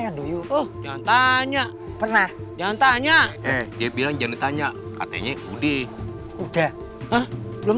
ikan duyung oh jangan tanya pernah jangan tanya eh dia bilang jangan tanya katanya udah udah belum